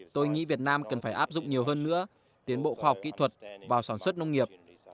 tôi nghĩ việt nam cần phải áp dụng nhiều hơn nữa tiến bộ khoa học kỹ thuật vào sản xuất nông nghiệp